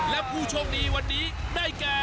และผู้โชคดีวันนี้ได้แก่